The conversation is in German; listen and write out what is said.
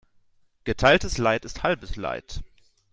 Geteiltes Leid ist halbes Leid.